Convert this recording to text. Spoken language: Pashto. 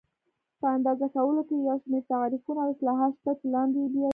په اندازه کولو کې یو شمېر تعریفونه او اصلاحات شته چې لاندې یې بیانوو.